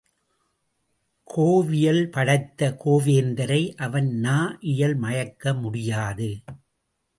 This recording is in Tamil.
கோவியல் படைத்த கோவேந்தரை அவன் நா இயல் மயக்க முடியாது.